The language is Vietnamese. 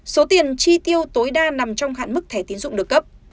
số tiền chi tiêu tối đa nằm trong hạn mức thẻ tiến dụng được cấp